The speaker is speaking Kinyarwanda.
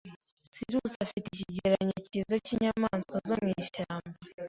Sirus ifite icyegeranyo cyiza cyinyamaswa zo mwishyamba.